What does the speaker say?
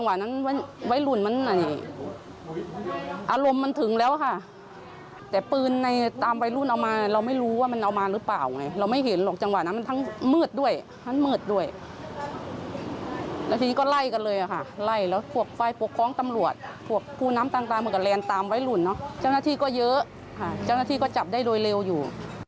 มันเหมือนด้วยแล้วทีนี้ก็ไล่กันเลยอ่ะค่ะไล่แล้วพวกฝ่ายปกครองตำรวจพวกผู้น้ำต่างต่างเหมือนกับแลนด์ตามไว้หลุ่นเนอะเจ้าหน้าที่ก็เยอะค่ะเจ้าหน้าที่ก็จับได้โดยเร็วอยู่